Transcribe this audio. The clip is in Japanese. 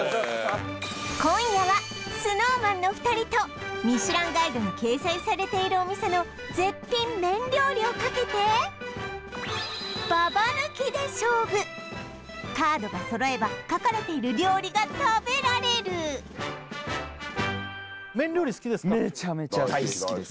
今夜はＳｎｏｗＭａｎの２人とミシュランガイドに掲載されているお店の絶品麺料理をかけてババ抜きで勝負カードがそろえば書かれている料理が食べられるメチャメチャ大好きです